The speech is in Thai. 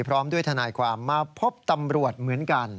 พร้อมด้วยทนายความมาพบตำรวจเหมือนกัน